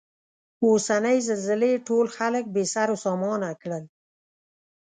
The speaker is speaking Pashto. اوسنۍ زلزلې ټول خلک بې سرو سامانه کړل.